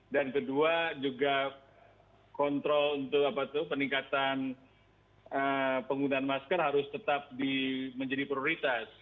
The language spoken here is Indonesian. dan kedua juga kontrol untuk apa tuh peningkatan penggunaan masker harus tetap menjadi prioritas